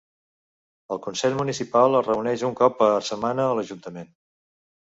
El consell municipal es reuneix un cop per setmana a l'ajuntament.